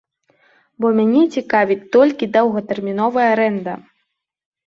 Бо мяне цікавіць толькі доўгатэрміновая арэнда!